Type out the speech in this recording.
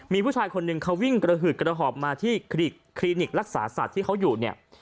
มีผู้ชายคนหนึ่งเขาวิ่งกระหืดกระหอบมาที่คลินิกรักษาสัตว์ที่เขาอยู่เนี่ย